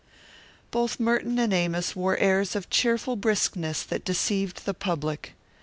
Both Merton and Amos wore airs of cheerful briskness that deceived the public.